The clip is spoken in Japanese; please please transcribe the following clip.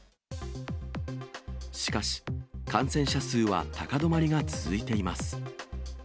しかし、感染者数は高止まりが続いています。